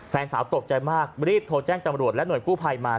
แฟนสาวตกใจมากรีบโทรแจ้งตำรวจและหน่วยกู้ภัยมา